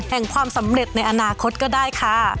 แห่งความสำเร็จในอนาคตก็ได้ค่ะ